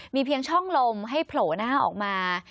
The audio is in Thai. มีเพียงช่องลมให้โผล่หน้าออกมา